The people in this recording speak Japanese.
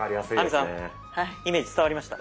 亜美さんイメージ伝わりました？